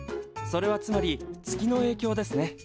それはつまり月のえいきょうですね。